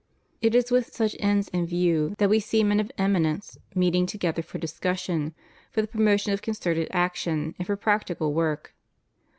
It is with such ends in view that we see men of eminence meeting together for discussion, for the promotion of concerted action, and for practical work.